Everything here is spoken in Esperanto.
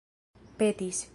petis